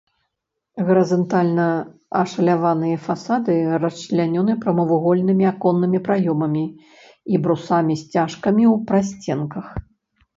Гарызантальна ашаляваныя фасады расчлянёны прамавугольнымі аконнымі праёмамі і брусамі-сцяжкамі ў прасценках.